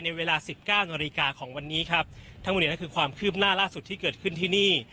ในเวลา๑๙นของวันนี้ทั้งหมดนี้คือความคืบหน้าล่าสุดที่เกิดขึ้นที่นี่